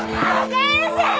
先生。